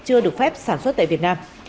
chưa được phép sản xuất tại việt nam